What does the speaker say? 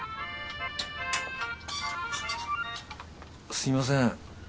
すみません。